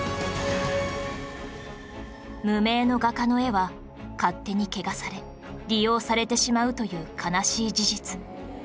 無名の画家の絵は勝手に汚され利用されてしまうという悲しい事実